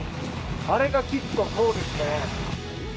あれがきっとそうですね。